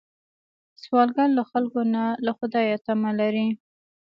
سوالګر له خلکو نه، له خدایه تمه لري